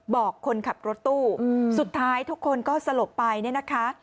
บอกคนขับรถตู้สุดท้ายทุกคนก็สลบไปเนี่ยนะคะ